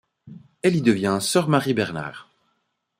Elle y devient sœur Marie-Bernard.